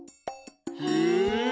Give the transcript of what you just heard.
へえ。